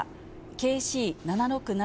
ＫＣ７６７